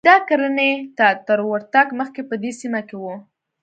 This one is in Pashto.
دا کرنې ته تر ورتګ مخکې په دې سیمه کې و